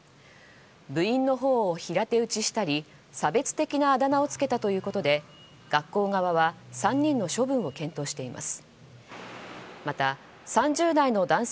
部員の頬を平手打ちしたり差別的なあだ名をつけたということで、学校側は３人の処分を検討しています。